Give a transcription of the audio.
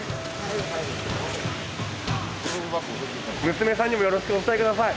娘さんにもよろしくお伝え下さい。